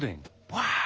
わあ！